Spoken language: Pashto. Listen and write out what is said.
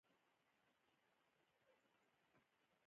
د سړک په غاړه نښې د دې شتون ښیي